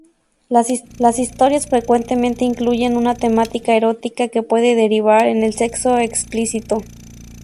Las historias frecuentemente incluyen una temática erótica que puede derivar en el sexo explícito.